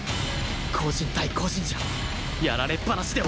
個人対個人じゃやられっぱなしで終わる！